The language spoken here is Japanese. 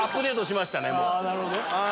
なるほど。